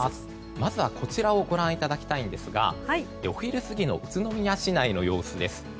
まずはこちらをご覧いただきたいんですがお昼過ぎの宇都宮市内の様子です。